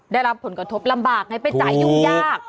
ได้รับผลกระทบลำบากไงไปจ่ายยุ่งยาก